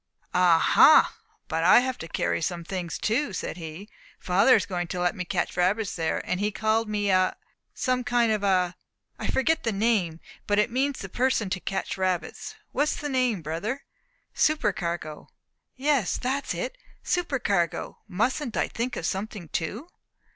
"Ah ha! but I have to carry some things too," said he. "Father is going to let me catch the rabbits there; and he called me a , some kind of a ; I forget the name, but it means the person to catch rabbits. What is the name, brother?" "Supercargo?" "Yes, that's it supercargo. Mustn't I think of something too?"